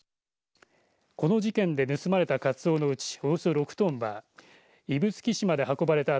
この事件で盗まれたカツオのうち、およそ６トンは指宿市まで運ばれた